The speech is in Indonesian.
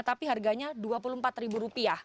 tapi harganya rp dua puluh empat